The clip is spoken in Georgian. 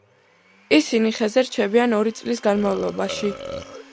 ისინი ხეზე რჩებიან ორი წლის განმავლობაში.